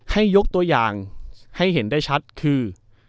ยกตัวอย่างให้เห็นได้ชัดคือ